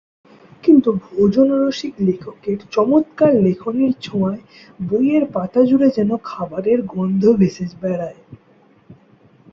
কিন্তু ভোজন-রসিক লেখকের চমৎকার লেখনীর ছোঁয়ায় বইয়ের পাতা জুড়ে যেন খাবারের গন্ধ ভেসে বেড়ায়।